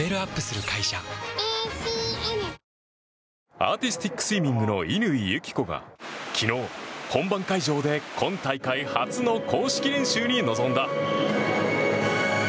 アーティスティックスイミング乾友紀子が昨日、本番会場で今大会初の公式練習に臨んだ。